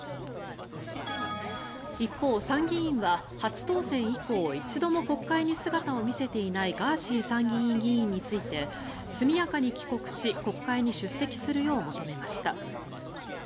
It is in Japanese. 一方、参議院は初当選以降一度も国会に姿を見せていないガーシー参議院議員について速やかに帰国し国会に出席するよう求めました。